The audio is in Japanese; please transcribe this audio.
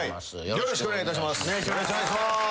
よろしくお願いします。